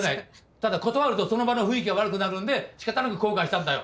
ただ断るとその場の雰囲気が悪くなるんでしかたなく交換したんだよ。